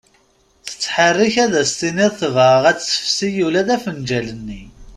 Tetherrik ad as-tiniḍ tebɣa ad tessefsi ula d afenǧal-nni.